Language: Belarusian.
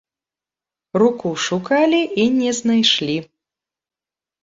Руку шукалі і не знайшлі.